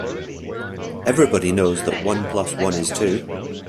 Everybody knows that one plus one is two.